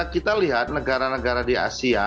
kita lihat negara negara di asia